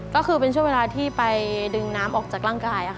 ก็คือเป็นช่วงเวลาที่ไปดึงน้ำออกจากร่างกาย